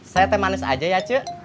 saya teh manis aja ya cik